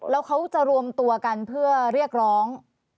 แล้วเขาจะรวมตัวกันเพื่อเรียกร้อง